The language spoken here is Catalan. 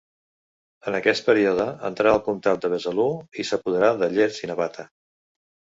En aquest període entrà al comtat de Besalú i s'apoderà de Llers i Navata.